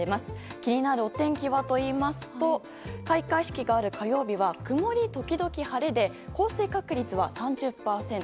気になる天気はと言いますと開会式がある火曜日は曇り時々晴れで降水確率は３０％。